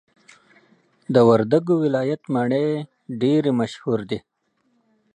د وردګو ولایت مڼي ډیري مشهور دي.